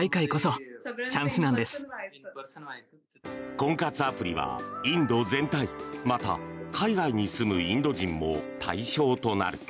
婚活アプリはインド全体また海外に住むインド人も対象となる。